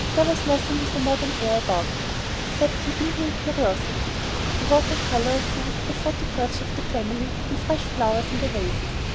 There was nothing with a modern air about it, except some Indian curiosities, a water color or two, the photographs of the family, and the fresh flowers in the vases.